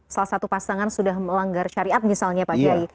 salah satu pasangan sudah melanggar syariat misalnya pak kiai